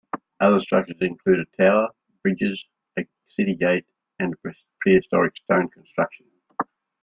Other structures include a tower, bridges, a city gate, and a prehistoric stone construction.